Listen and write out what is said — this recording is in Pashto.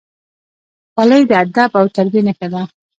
خولۍ د ادب او تربیې نښه ده.